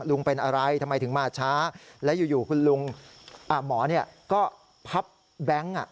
ลุงเป็นอะไรทำไมถึงมาช้าและอยู่คุณลุงหมอก็พับแบงค์